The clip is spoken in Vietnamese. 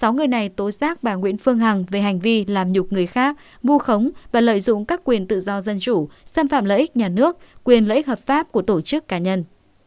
sáu người này tố xác bà nguyễn phương hằng về hành vi làm nhục người khác mua khống và lợi dụng các quyền tự do dân chủ xâm phạm lợi ích nhà nước quyền lợi ích hợp pháp của tổ chức cá nhân